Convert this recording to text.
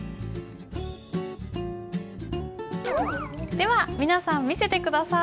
では皆さん見せて下さい。